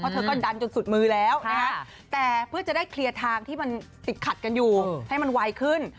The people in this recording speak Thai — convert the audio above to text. เธอก็ดันจนสุดมือแล้วแต่เพื่อจะได้เคลียร์ทางที่มันติดขัดกันอยู่ให้มันไวขึ้น